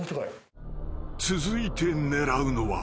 ［続いて狙うのは］